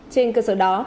trên cơ sở đó